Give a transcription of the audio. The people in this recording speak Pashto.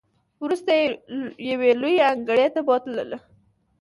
وروسته یې یوې لویې انګړ ته بوتللو.